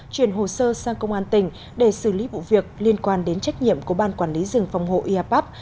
chuyển hồ sơ sang công an tỉnh để xử lý vụ việc liên quan đến trách nhiệm của ban quản lý rừng phòng hộ iapap